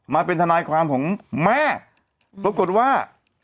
มาเป็นทนายความของแม่ปรากฏว่า